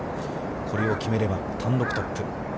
これを決めれば単独トップ。